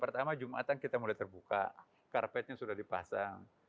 pertama jumatan kita mulai terbuka karpetnya sudah dipasang